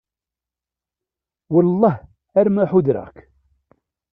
Wellah arma ḥudreɣ-k.